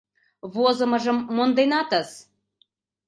— Возымыжым монденатыс!